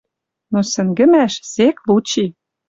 Но сӹнгӹмӓш — сек лучи